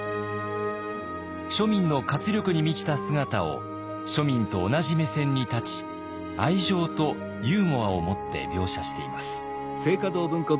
庶民の活力に満ちた姿を庶民と同じ目線に立ち愛情とユーモアをもって描写しています。